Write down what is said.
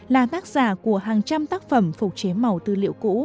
là tác giả của hàng trăm tác phẩm phục chế màu tư liệu cũ